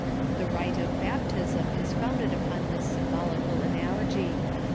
The rite of Baptism is founded upon this symbolical analogy.